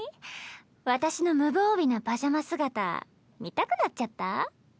私の無防備なパジャマ姿見たくなっちゃった？